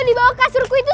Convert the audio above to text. di bawah kasurku itu